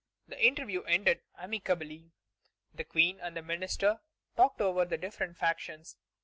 The interview ended amicably. The Queen and the minister talked over the different factions.